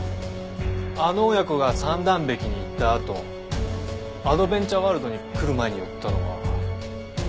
あの親子が三段壁に行ったあとアドベンチャーワールドに来る前に寄ったのは。